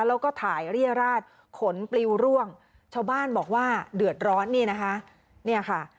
แล้วก็ถ่ายเรียราชขนปลิวร่วงชาวบ้านบอกว่าเดือดร้อนนี่นะคะเนี่ยค่ะ